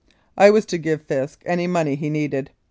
I was to give Fisk any money he needed.